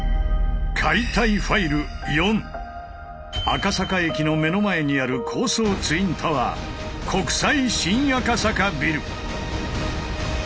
赤坂駅の目の前にある高層ツインタワー国際新赤坂ビル。